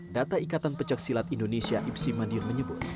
data ikatan pencaksilat indonesia ipsi madiun menyebut